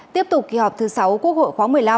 tiếp tục kỳ họp thứ sáu quốc hội khóa một mươi năm